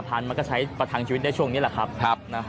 มันก็ใช้ประทังชีวิตได้ช่วงนี้แหละครับ